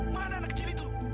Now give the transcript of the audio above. mana anak kecil itu